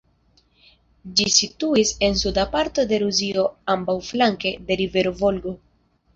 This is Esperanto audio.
Ĝi situis en suda parto de Rusio ambaŭflanke de rivero Volgo.